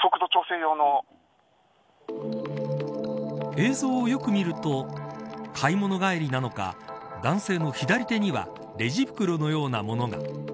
映像をよく見ると買い物帰りなのか男性の左手にはレジ袋のようなものが。